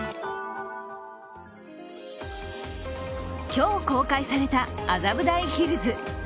今日公開された麻布台ヒルズ。